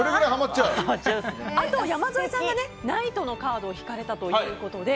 山添さんがナイトのカードを引かれたということで